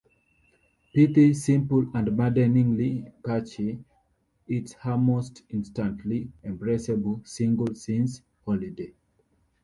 Pithy, simple and maddeningly catchy, it's her most instantly embraceable single since 'Holiday.